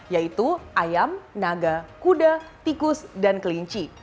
yaitu ayam naga kuda tikus dan kelinci